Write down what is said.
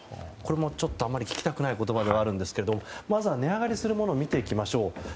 これもちょっとあまり聞きたくない言葉ではあるんですけどまずは値上がりするものを見ていきましょう。